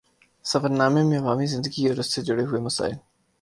سفر نامے میں عوامی زندگی اور اُس سے جڑے ہوئے مسائل